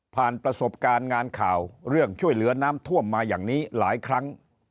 ประสบการณ์งานข่าวเรื่องช่วยเหลือน้ำท่วมมาอย่างนี้หลายครั้ง